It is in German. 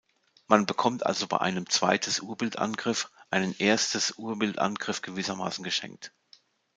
Man bekommt also bei einem Zweites-Urbild-Angriff einen Erstes-Urbild-Angriff gewissermaßen "geschenkt".